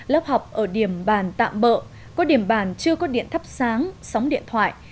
lớp học ở điểm bàn tạm bỡ có điểm bản chưa có điện thắp sáng sóng điện thoại